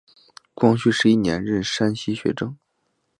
光绪十一年任山西学政。